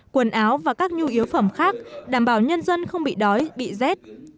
quần áo và các nhu yếu phẩm khác đảm bảo nhân dân không bị đói bị rét